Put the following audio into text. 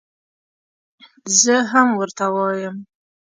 زه هم ورته وایم.